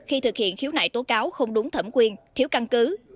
khi thực hiện khiếu nại tố cáo không đúng thẩm quyền thiếu căn cứ